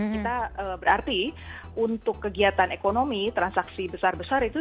kita berarti untuk kegiatan ekonomi transaksi besar besar itu